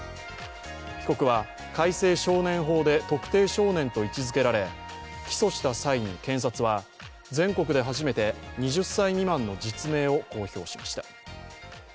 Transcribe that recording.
被告は改正少年法で特定少年と位置づけられ、起訴した際に検察は全国で初めて２０歳未満の実名を公表しました。